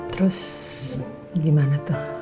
terus gimana tuh